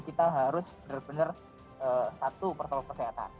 kita harus benar benar satu protokol kesehatan